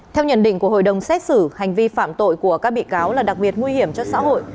theo nhận định của hội đồng xét xử hành vi phạm tội của các bị cáo là đặc biệt nguy hiểm cho xã hội